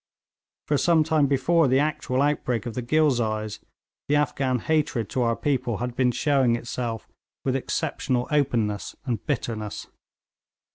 For some time before the actual outbreak of the Ghilzais, the Afghan hatred to our people had been showing itself with exceptional openness and bitterness.